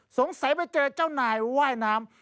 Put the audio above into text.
สงสัยไปเจอเจ้านายว่ายน้ำ